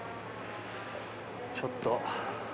ちょっと。